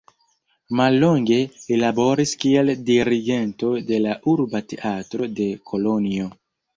Mallonge li laboris kiel dirigento de la urba teatro de Kolonjo.